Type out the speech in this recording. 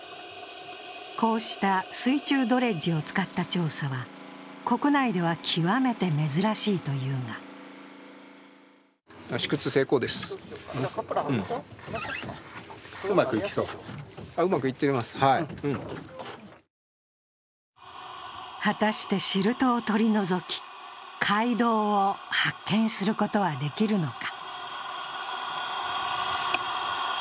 こうした水中ドレッジを使った調査は国内では極めて珍しいというが果たしてシルトを取り除き、街道を発見することはできるのか。